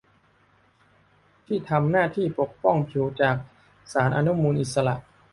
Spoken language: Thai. ที่ทำหน้าที่ปกป้องผิวจากสารอนุมูลอิสระ